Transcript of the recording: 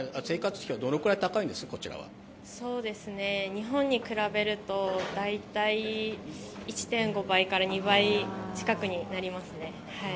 日本に比べると、大体１．５倍から２倍近くになりますね。